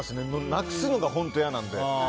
なくすのが本当に嫌なので。